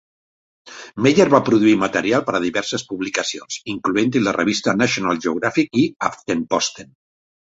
Meyer va produir material per a diverses publicacions, incloent-hi la revista National Geographic i Aftenposten.